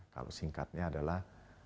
kalau singkatnya adalah